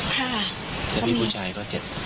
แต่พี่ผู้ชายก็เจ็บ